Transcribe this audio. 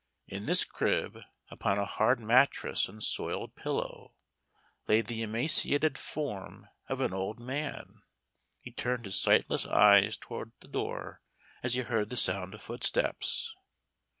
In this crib, upon a hard mattress and soiled pillow, lay the emaciated form of an old man. He turned his sightless eyes toward the door as he heard the sound of footsteps.